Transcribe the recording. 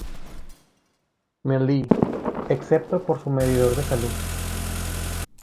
Melee", excepto por su medidor de salud.